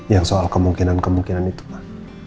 yang soal kemungkinan kemungkinan itu pak